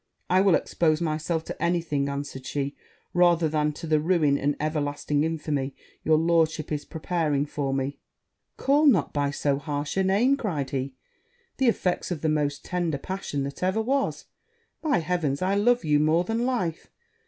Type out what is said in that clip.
'I will expose myself to any thing,' answered she, 'rather than to the ruin and everlasting infamy your lordship is preparing for me!' 'Call not by so harsh a name,' cried he, 'the effects of the most tender passion that ever was: by heavens, I love you more than life!